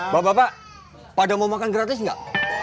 bapak bapak pada mau makan gratis nggak